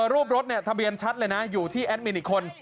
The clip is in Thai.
รูปรถทะเบียนชัดเลยนะอยู่ที่แอดมินอีกคน